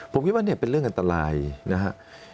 ผมคิดว่าเนี่ยเป็นเรื่องอันตรายนะครับ